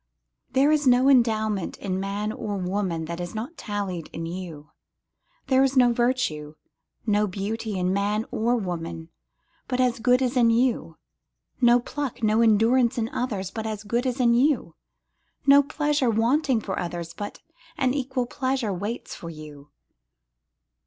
There is no endowment in man or woman that is not tallied in you, There is no virtue, no beauty in man or woman, but as good is in you, No pluck, no endurance in others, but as good is in you, No pleasure waiting for others, but an equal pleasure waits for you.